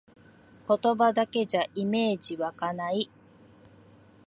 言葉だけじゃイメージわかない